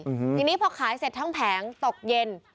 ทีนี้พอขายเสร็จทั้งแผงตกเย็น